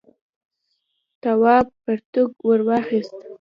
تواب پرتوگ ور واخیست.